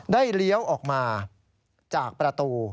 เลี้ยวออกมาจากประตู